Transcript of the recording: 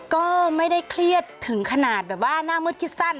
ก็ไม่ได้เครียดถึงขนาดแบบว่าหน้ามืดคิดสั้น